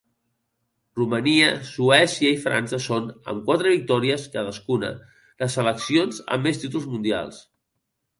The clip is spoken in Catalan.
Romania, Suècia i França són, amb quatre victòries cadascuna, les seleccions amb més títols mundials.